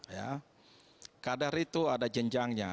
ya kader itu ada jenjangnya